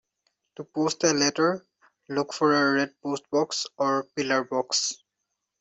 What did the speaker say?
To post a letter, look for a red postbox or pillar box